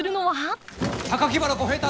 原小平太